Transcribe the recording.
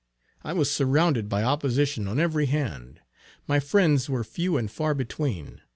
I was surrounded by opposition on every hand. My friends were few and far between.